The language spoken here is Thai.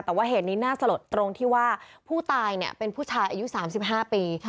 แต่ว่าเหตุนี้น่าสลดตรงที่ว่าผู้ตายเป็นผู้ชายอายุ๓๕ปี